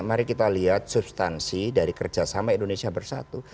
mari kita lihat substansi dari kerjasama indonesia bersatu